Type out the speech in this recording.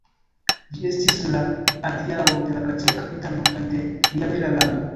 Ĝi estis la adiaŭo de la gracia kapitano kaj de lia bela lando.